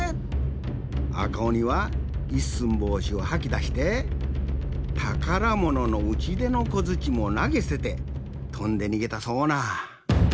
あかおには一寸法師をはきだしてたからもののうちでのこづちもなげすててとんでにげたそうな。